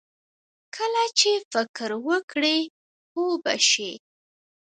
کله چې فکر وکړې، پوه به شې!